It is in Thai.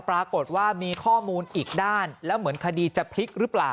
ปรากฏว่ามีข้อมูลอีกด้านแล้วเหมือนคดีจะพลิกหรือเปล่า